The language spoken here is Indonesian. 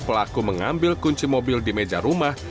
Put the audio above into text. pelaku mengambil kunci mobil di meja rumah